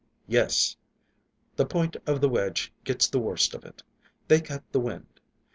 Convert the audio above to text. "Yes. The point of the wedge gets the worst of it; they cut the wind.